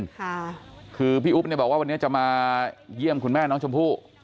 ค่ะคือพี่อุ๊บเนี่ยบอกว่าวันนี้จะมาเยี่ยมคุณแม่น้องชมพู่